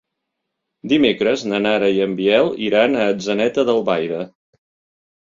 Dimecres na Nara i en Biel iran a Atzeneta d'Albaida.